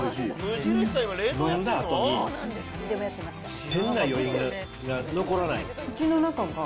飲んだあとに、変な余韻が残らない。